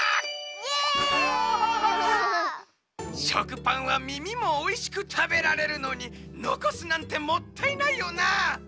しょくぱんはみみもおいしくたべられるのにのこすなんてもったいないよな。